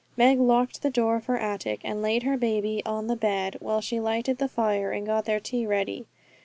Meg locked the door of her attic, and laid her baby on the bed, while she lighted the fire and got their tea ready.